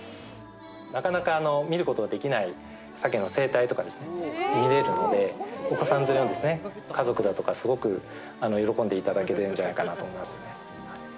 なかなか見ることのできないサケの生態とかですね、見れるので、お子さん連れの家族だとか、すごく喜んでいただけるんじゃないかなと思いますね。